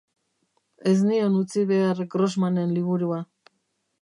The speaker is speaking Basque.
Ez nion utzi behar Grossmanen liburua.